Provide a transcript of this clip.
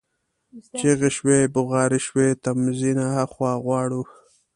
چیغي شوې، بغارې شوې: تمځي نه ها خوا غواړو،